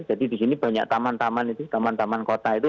jadi di sini banyak taman taman itu taman taman kota itu